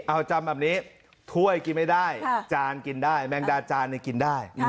เอาจำแบบนี้ถ้วยกินไม่ได้จานกินได้แมงดาจานกินได้